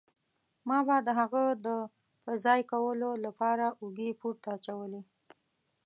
ما به د هغه د په ځای کولو له پاره اوږې پورته اچولې.